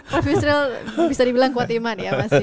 prof yusril bisa dibilang kuat iman ya pasti